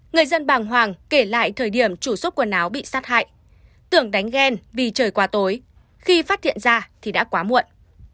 người dân bàng hoàng kể lại thời điểm chủ số quần áo bị sát hại tưởng đánh ghen vì trời qua tối khi phát hiện ra thì đã quá muộn